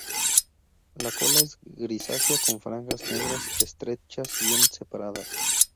La cola es grisácea con franjas negras estrechas bien separadas.